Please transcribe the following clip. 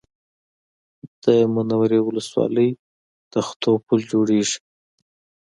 د منورې ولسوالۍ تختو پل جوړېږي